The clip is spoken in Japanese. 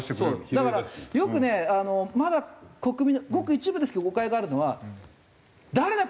だからよくねまだ国民のごく一部ですけど誤解があるのは「誰だ？